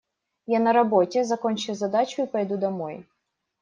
Я на работе, закончу задачу и пойду домой.